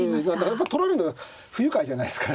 やっぱ取られるのは不愉快じゃないですか。